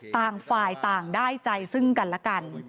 ต่างฝ่ายต่างได้ใจซึ่งกันและกัน